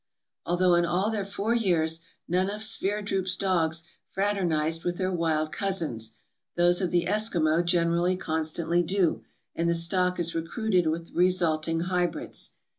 Although in all their four years none of Sverdrup's dogs fraternized with their wild cousins, those of the Eskimo generally constantly do, and the stock is recruited with the resulting hy brids.